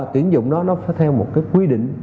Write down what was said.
tuyển dụng đó nó phải theo một quy định